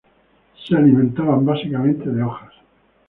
Se alimentaban básicamente de hojas.